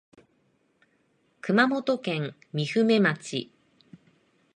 熊本県御船町